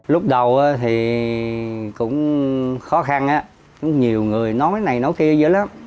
lúc đầu thì cũng khó khăn nhiều người nói cái này nói kia dữ lắm